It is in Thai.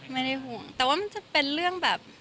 ไม่ได้ห่วงแต่ว่ามันจะเป็นเรื่องแบบ